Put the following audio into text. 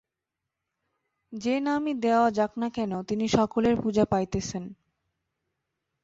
যে নামই দেওয়া যাক না কেন, তিনি সকলের পূজা পাইতেছেন।